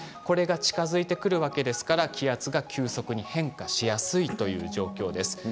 これが近づいてくるわけですから気圧が急速に変化しやすい状況です。